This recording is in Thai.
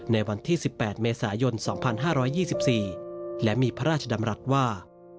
ในวันที่๑๘เมษายน๒๕๒๔และมีพระราชดำรัฐว่า